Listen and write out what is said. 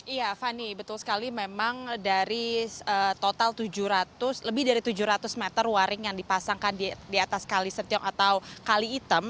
iya fani betul sekali memang dari total tujuh ratus lebih dari tujuh ratus meter waring yang dipasangkan di atas kali serjok atau kali item